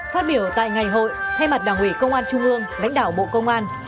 phát biểu tại ngày hội thay mặt đảng ủy công an trung ương lãnh đạo bộ công an